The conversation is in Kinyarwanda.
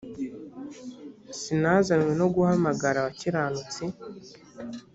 sinazanywe no guhamagara abakiranutsi